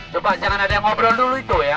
coba jangan ada yang ngobrol dulu itu ya